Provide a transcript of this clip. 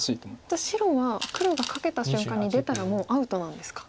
じゃあ白は黒がカケた瞬間に出たらもうアウトなんですか。